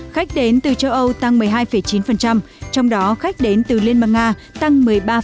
khách đến từ châu âu tăng một mươi hai chín trong đó khách đến từ liên bang nga tăng một mươi ba